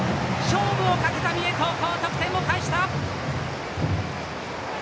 勝負をかけた三重高校得点を返した！